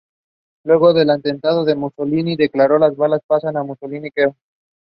It is hosted by Rian van Heerden.